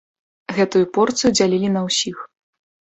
Гэтую порцыю дзялілі на ўсіх.